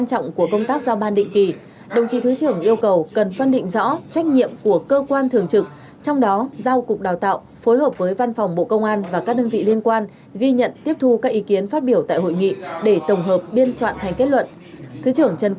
trọng của công tác giao ban định kỳ đồng chí thứ trưởng yêu cầu cần phân định rõ trách nhiệm của cơ quan thường trực trong đó giao cục đào tạo phối hợp với văn phòng bộ công an và các đơn vị liên quan ghi nhận tiếp thu các ý kiến phát biểu tại hội nghị để tổng hợp biên soạn thành kết luận